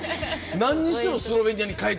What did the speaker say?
何にしてもスロベニアに帰っちゃうんだ。